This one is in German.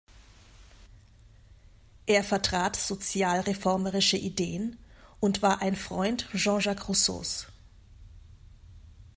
Er vertrat sozialreformerische Ideen und war ein Freund Jean-Jacques Rousseaus.